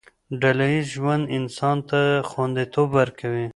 ډله ييز ژوند انسان ته خونديتوب ورکوي.